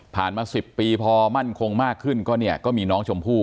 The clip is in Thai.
ผ่านมา๑๐ปีพอมั่นคงมากขึ้นก็มีน้องชมพู่